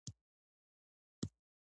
هغه پیسې سمدستي په لاس نه راوړي